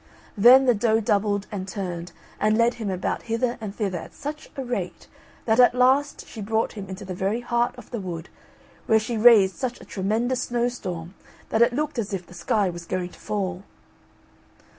Then the doe doubled and turned, and led him about hither and thither at such a rate, that at last she brought him into the very heart of the wood, where she raised such a tremendous snow storm that it looked as if the sky was going to fall.